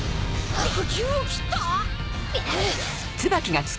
あっ。